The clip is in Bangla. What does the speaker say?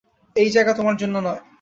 এই জায়গা তোমার জন্য নয়।